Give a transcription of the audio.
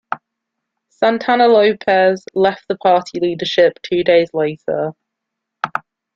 Santana Lopes left the party leadership two days later.